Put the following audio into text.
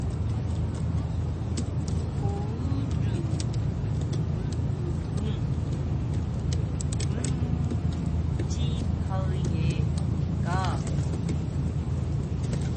거울은 문지방에 가 부딪치며 두 쪽에 짝 갈라졌다.